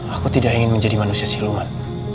aku tidak ingin menjadi manusia siluar